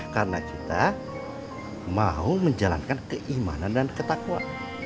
karena kita mau menjalankan keimanan dan ketakwa